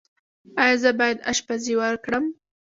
ایا زه باید اشپزي وکړم؟